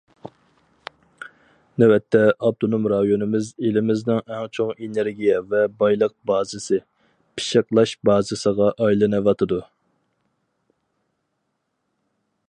نۆۋەتتە ئاپتونوم رايونىمىز ئېلىمىزنىڭ ئەڭ چوڭ ئېنېرگىيە ۋە بايلىق بازىسى، پىششىقلاش بازىسىغا ئايلىنىۋاتىدۇ.